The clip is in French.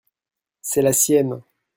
C’est la sienne.